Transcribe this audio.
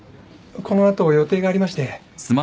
この後予定がありまして。